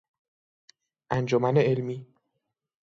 انجمن علمی